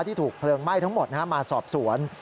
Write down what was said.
ที่ถูกเผลิงไหม้ทั้งหมดนะครับมาสอบสวน